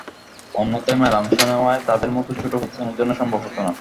অন্যথায় মেলায় অংশ নেওয়া তাঁদের মতো ছোট প্রতিষ্ঠানের জন্য সম্ভব হতো না।